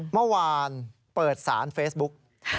เมื่อวานเปิดสารเฟซบุ๊ก